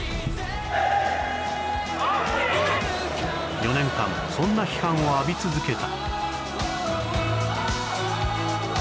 ４年間そんな批判を浴び続けた。